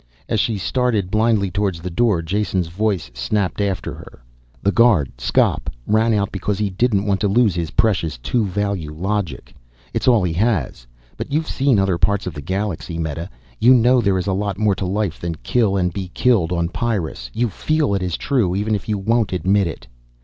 As she started blindly towards the door, Jason's voice snapped after her. "The guard, Skop, ran out because he didn't want to lose his precious two value logic. It's all he has. But you've seen other parts of the galaxy, Meta, you know there is a lot more to life than kill and be killed on Pyrrus. You feel it is true, even if you won't admit it."